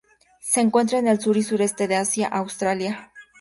Se encuentra en el sur y sureste de Asia a Australia.